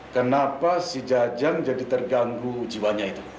kenapa si jajang jadi terganggu jiwanya itu